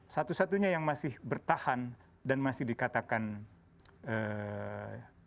satu satunya yang masih bertahan dan masih dikatakan